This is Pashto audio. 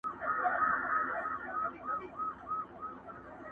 اوس چي راسي خو په څنګ را نه تېرېږي،